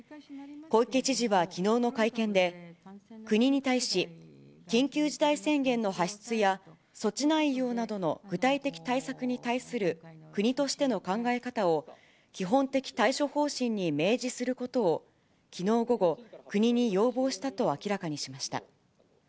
小池知事はきのうの会見で、国に対し緊急事態宣言の発出や、措置内容などの具体的対策に対する国としての考え方を基本的対処方針に明示することをきのう午後、国に要望したと明らかにしました。